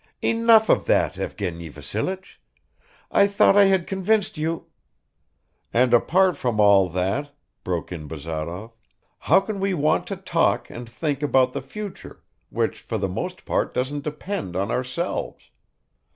Enough of that, Evgeny Vassilich; I thought I had convinced you ..." "And apart from all that," broke in Bazarov, "how can we want to talk and think about the future, which for the most part doesn't depend on ourselves?